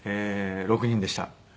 ６人でした。